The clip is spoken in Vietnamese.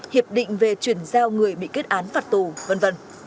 hiệp định về chuyển giao người bị kết án phạt tù v v